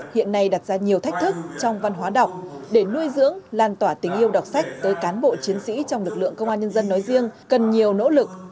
hiện nay đặt ra nhiều thách thức trong văn hóa đọc để nuôi dưỡng lan tỏa tình yêu đọc sách tới cán bộ chiến sĩ trong lực lượng công an nhân dân nói riêng cần nhiều nỗ lực